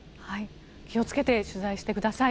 気をつけて取材してください。